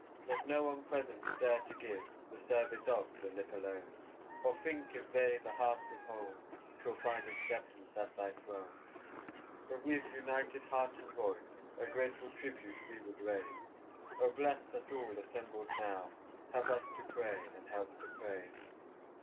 Let no one present, dare to give, The service of the lip alone; Or think if they the heart withhold, 'Twill find acceptance at thy throne. But with united heart and voice, A grateful tribute we would raise; Oh bless us all assembled now, Help us to pray, and help to praise.